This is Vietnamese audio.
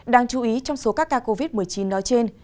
đáng chú ý trong số các ca covid một mươi chín nói trên